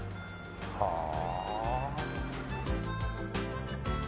はあ。